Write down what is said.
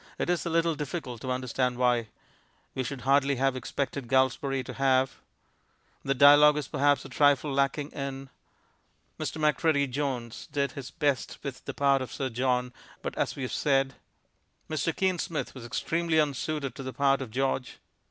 It is a little difficult to understand why.... We should hardly have expected Galsbarrie to have... The dialogue is perhaps a trifle lacking in... Mr. Macready Jones did his best with the part of Sir John, but as we have said... Mr. Kean Smith was extremely unsuited to the part of George....